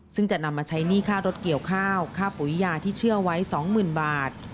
ซึ่งจะนำมาใช้หนี้ค่ารถเกี่ยวข้าวค่าปุ๋ยยาที่เชื่อไว้๒๐๐๐บาท